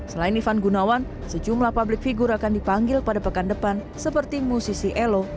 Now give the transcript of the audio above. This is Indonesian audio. selain ivan gunawan sejumlah publik figure akan dipanggil pada pekan depan seperti musisi elo